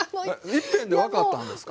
いっぺんで分かったんですか？